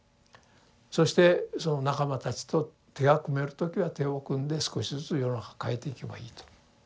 そしてその仲間たちと手が組める時は手を組んで少しずつ世の中を変えていけばいいと。